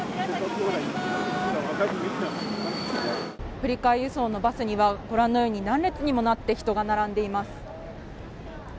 振替輸送のバスにはご覧のように何列にもなって人が並んでいます。